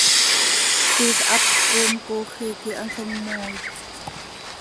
Ziix hapx coom cooxi quih hanso mmooit.